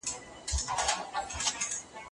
د ټوپک سيوری به دې واخلي